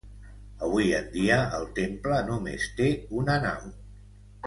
Avui en dia el temple només té una nau.